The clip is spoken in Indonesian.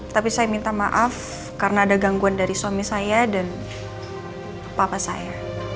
tapi saya minta maaf karena ada gangguan dari suami saya dan papa saya